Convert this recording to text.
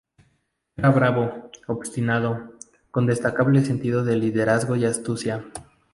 Era bravo, obstinado, con destacable sentido de liderazgo y astucia.